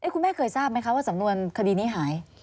คุณแม่เคยทราบไหมคะว่าสำนวนคดีนี้หาย